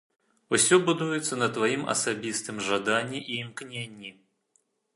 Усё будуецца на тваім асабістым жаданні і імкненні.